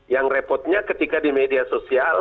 yang repotnya ketika di media sosial